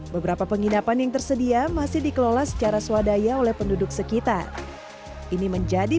beberapa penginapan yang tersedia masih dikelola secara swadaya oleh penduduk sekitar ini menjadi